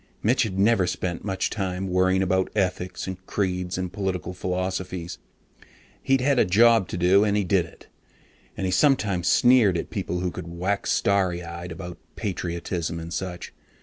Mitch had never spent much time worrying about ethics and creeds and political philosophies. He'd had a job to do, and he did it, and he sometimes sneered at people who could wax starry eyed about patriotism and such.